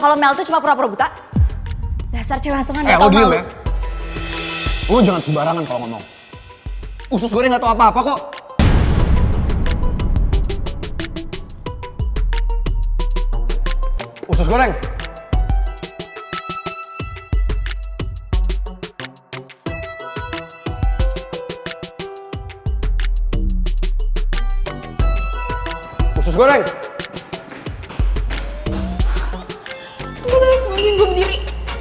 lu berat berarti